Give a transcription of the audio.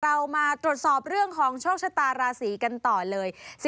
เรามาตรวจสอบเรื่องของโชคชะตาราศีกันต่อเลย